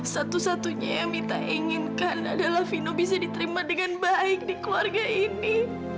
satu satunya yang mita inginkan adalah vino bisa diterima dengan baik di keluarga ini